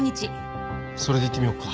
それでいってみようか。